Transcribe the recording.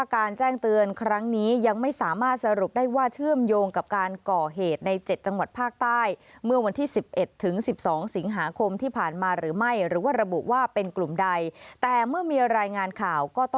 และยุติไม่ให้การก่อเหตุนั้นเกิดขึ้นค่ะ